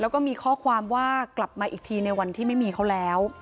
แล้วก็มีข้อความว่ากลับมาอีกทีในวันที่ไม่มีเขาแล้ว